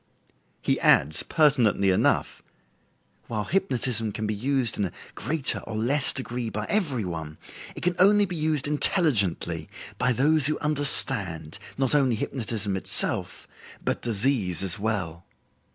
He adds pertinently enough: "While hypnotism can be used in a greater or less degree by every one, it can only be used intelligently by those who understand, not only hypnotism itself, but disease as well."